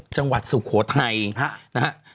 จังหวัดสุโขทัยนะครับ